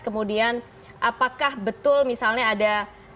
kemudian apakah betul misalnya ada